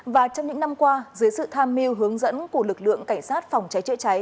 và trong những năm qua dưới sự tham mưu hướng dẫn của lực lượng cảnh sát phòng cháy chữa cháy